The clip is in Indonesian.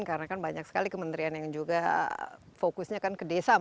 karena kan banyak sekali kementerian yang juga fokusnya kan ke desa